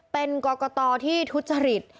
เป็นกรกตที่ทุจริต